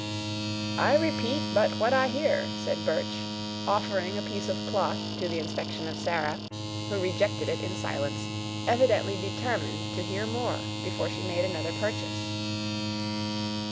"I repeat but what I hear," said Birch, offering a piece of cloth to the inspection of Sarah, who rejected it in silence, evidently determined to hear more before she made another purchase.